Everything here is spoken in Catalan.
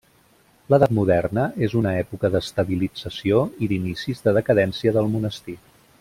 L'Edat Moderna és una època d'estabilització i d'inicis de decadència del monestir.